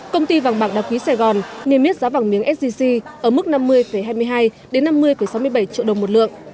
công ty vàng bạc đa quý sài gòn niêm yết giá vàng miếng sgc ở mức năm mươi hai mươi hai năm mươi sáu mươi bảy triệu đồng một lượng